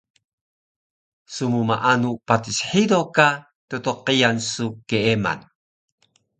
Smmaanu patis hido ka ttqiyan su keeman?